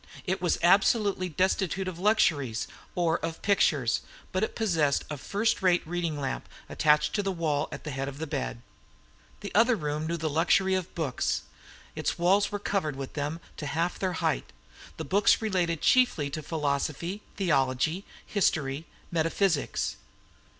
It was absolutely destitute of luxuries or of pictures, but it possessed a first rate reading lamp, attached to the wall at the head of the bed. The other room knew the luxury of books; its walls were covered with them to half their height. The books related chiefly to philosophy, theology, history, metaphysics.